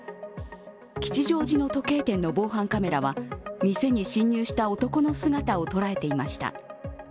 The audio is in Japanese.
吉祥寺の時計店の防犯カメラは店に侵入した男の姿を捉えていました。